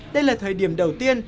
đây là thời điểm đầu tiên